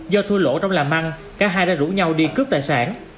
do thua lỗ trong làm ăn cả hai đã rủ nhau đi cướp tài sản